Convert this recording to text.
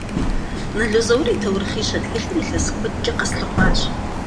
Нэло Зэур и «Тэурыхъищэ» тхылъыр илъэс куэдкӏэ къэслъыхъуащ.